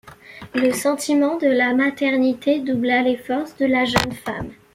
Le sentiment de la maternité doubla les forces de la jeune femme.